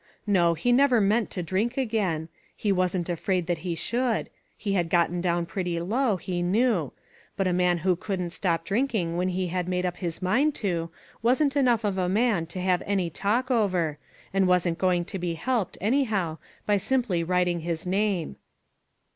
No, he never meant to drink again. He wasn't afraid that he should. He had got down gretty low, he knew; but a man who couldn't stop drink ing when he had made up his mind to, wasn't enough of a man to have any talk over, and wasn't going to be helped, any how, by simply writing his name.